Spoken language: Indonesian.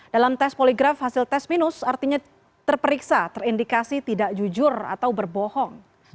dalam tes poligraf hasil tes minus artinya terperiksa terindikasi tidak jujur atau berbohong